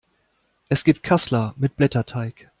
Es gibt Kassler mit Blätterteig.